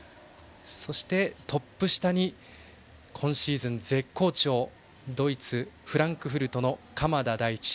そして、トップ下に今シーズン絶好調ドイツ、フランクフルトの鎌田大地。